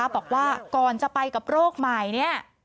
บอกว่าก่อนจะไปกับโรคใหม่เนี่ย